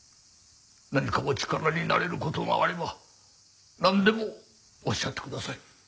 何かお力になれる事があればなんでもおっしゃってください。